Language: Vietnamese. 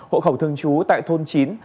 hộ khẩu thường trú tại thôn chín